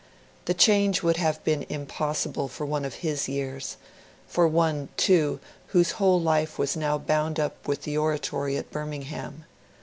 The change would have been impossible for one of his years for one, too, whose whole life was now bound up with the Oratory at Birmingham.